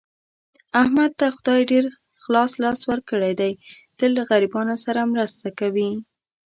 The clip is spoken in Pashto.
احمد ته خدای ډېر خلاص لاس ورکړی دی، تل له غریبانو سره مرسته کوي.